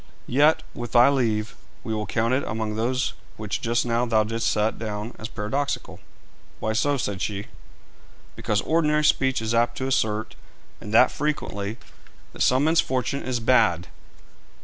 Yet, with thy leave, we will count it among those which just now thou didst set down as paradoxical.' 'And why so?' said she. 'Because ordinary speech is apt to assert, and that frequently, that some men's fortune is bad.'